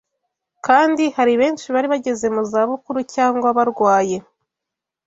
kandi hari benshi bari bageze mu za bukuru cyangwa barwaye